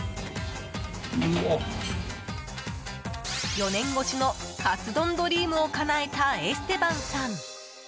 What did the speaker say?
４年越しのカツ丼ドリームをかなえたエステバンさん。